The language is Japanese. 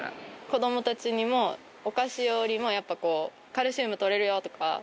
子供たちにもお菓子よりもやっぱこうカルシウム取れるよとか。